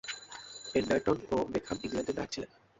Anderton ও Beckham ইংল্যান্ডের নায়ক ছিলেন।